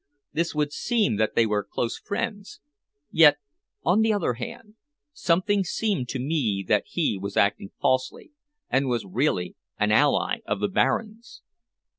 This would seem that they were close friends; yet, on the other hand, something seemed to tell me that he was acting falsely, and was really an ally of the Baron's.